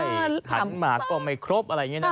หันมาก็ไม่ครบอะไรอย่างนี้นะ